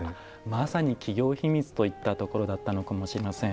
まさに企業秘密といったところかもしれません。